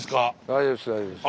大丈夫です大丈夫です。